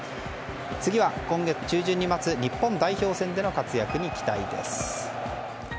次は今月中旬に待つ日本代表戦での活躍に期待です。